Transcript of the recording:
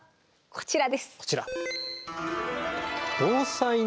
こちら。